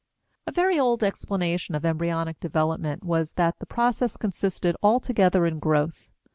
A very old explanation of embryonic development was that the process consisted altogether in growth.